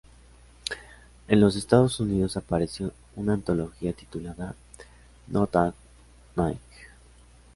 En los Estados Unidos apareció una antología titulada "Not at Night!